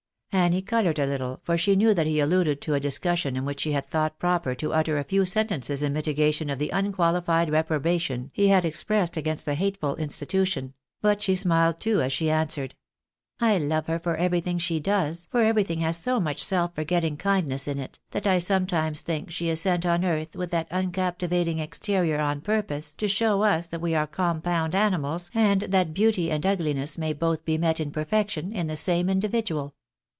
Annie coloured a Mttle, for she knew that he alluded to a dis cussion in which she had thought proper to utter a few sentences in mitigation of the unqualified reprobation he had expressed against the hateful institution ; but she smiled too as she answered —" I love her for everything she does, for everything has so much self forgetting kindness in it, that I sometimes think she is sent on earth with that uncaptivating exterior on purpose to show us that we are compound animals, and that beauty and ugliness may both be met in perfection, in the same individual."